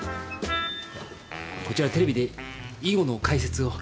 こちらテレビで囲碁の解説を。